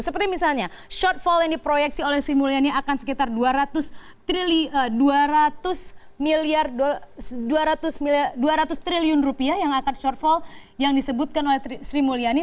seperti misalnya shortfall yang diproyeksi oleh sri mulyani akan sekitar dua ratus triliun rupiah yang akan shortfall yang disebutkan oleh sri mulyani